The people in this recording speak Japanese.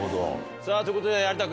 さぁということで有田君。